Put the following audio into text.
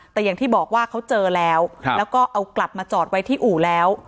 แต่อย่างที่บอกว่าเขาเจอแล้วแล้วก็เอากลับมาจอดไว้ที่อู่แล้ว